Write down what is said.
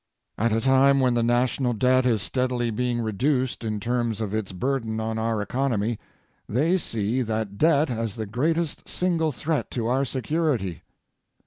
At a time when the national debt is steadily being reduced in terms of its burden on our economy, they see that debt as the greatest single threat to our security.